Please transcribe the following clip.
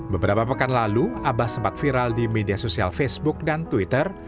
beberapa pekan lalu abah sempat viral di media sosial facebook dan twitter